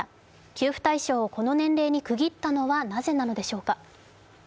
給付対象をこの年齢に区切ったのはなぜなんでしょうか。